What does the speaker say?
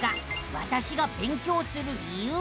「わたしが勉強する理由」。